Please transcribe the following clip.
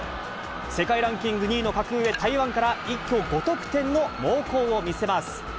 世界ランキング２位の格上、台湾から一挙５得点の猛攻を見せます。